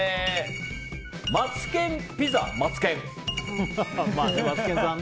マツケンピザマツケン。